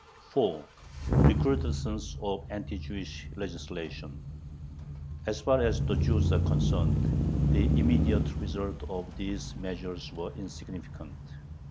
4. RECRUDESCENCE OF ANTI JEWISH LEGISLATION As far as the Jews are concerned, the immediate result of these measures was insignificant.